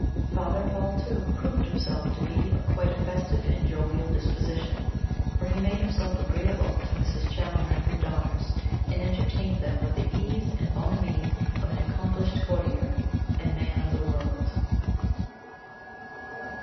Father Paul, too, proved himself to be of quite a festive and jovial disposition, for he made himself agreeable to Mrs. Challoner and her daughters, and entertained them with the ease and bonhomie of an accomplished courtier and man of the world.